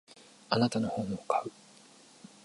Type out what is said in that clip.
あなたの本を買う。